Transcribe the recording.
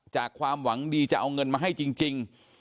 ความหวังดีจะเอาเงินมาให้จริง